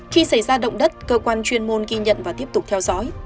khi xảy ra động đất cơ quan chuyên môn ghi nhận và tiếp tục theo dõi